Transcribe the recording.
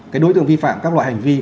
cái đối tượng vi phạm các loại hành vi